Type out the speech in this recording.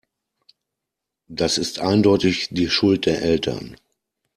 Das ist eindeutig die Schuld der Eltern.